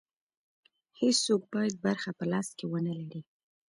هېڅوک باید برخه په لاس کې ونه لري.